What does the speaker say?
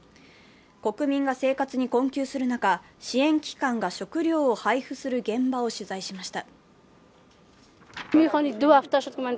国民が生活に困窮する中、支援機関が食糧を配布する現場を取材しました。